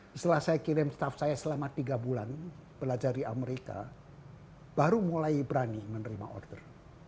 setelah saya kirim staff saya selama tiga bulan belajar di amerika baru mulai berani menerima order